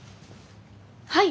はい。